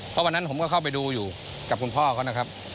เพราะวันนั้นผมก็เข้าไปดูอยู่กับคุณพ่อเขานะครับ